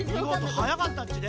はやかったっちね。